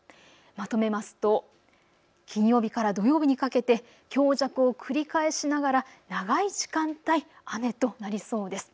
まとめますと金曜日から土曜日にかけて強弱を繰り返しながら長い時間帯、雨となりそうです。